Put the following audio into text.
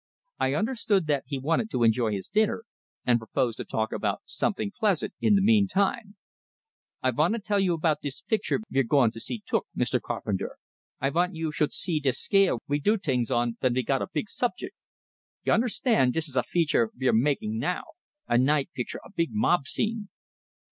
I understood that he wanted to enjoy his dinner, and proposed to talk about something pleasant in the meantime. "I vonna tell you about dis picture ve're goin' to see took, Mr. Carpenter. I vant you should see de scale we do tings on, ven we got a big subjic. Y'unnerstand, dis is a feature picture ve're makin' now; a night picture, a big mob scene.".